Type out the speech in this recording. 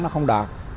nó không đoạn